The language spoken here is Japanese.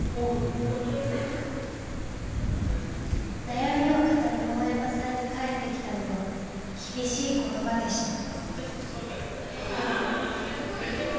悩みを語る大山さんに返ってきたのは厳しい言葉でした。